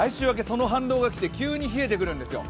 その反動が来て急に冷えてくるんですよ。